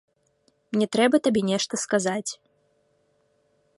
Мне трэба табе нешта сказаць.